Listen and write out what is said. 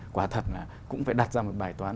quả thật là cũng phải đặt ra một bài toán